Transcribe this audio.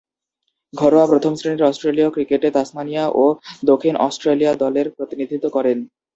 ঘরোয়া প্রথম-শ্রেণীর অস্ট্রেলীয় ক্রিকেটে তাসমানিয়া ও দক্ষিণ অস্ট্রেলিয়া দলের প্রতিনিধিত্ব করেন।